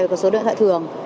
về một số điện thoại thường